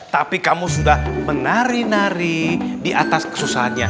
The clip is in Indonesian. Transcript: tapi kamu sudah menari nari di atas kesusahannya